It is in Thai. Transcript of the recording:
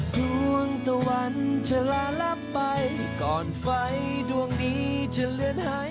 ทุกคนรออยู่